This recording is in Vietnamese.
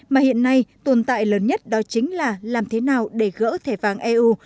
mà hiện nay tồn tại lớn nhất đó chính là làm thế nào để gỡ thẻ vàng eu